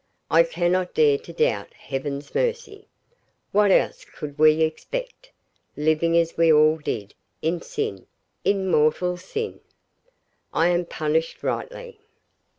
I cannot dare to doubt Heaven's mercy. What else could we expect, living as we all did in sin in mortal sin? I am punished rightly.'